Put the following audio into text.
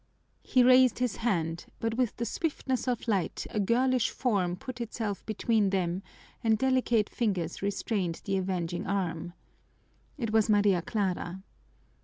He raised his hand, but with the swiftness of light a girlish form put itself between them and delicate fingers restrained the avenging arm. It was Maria Clara.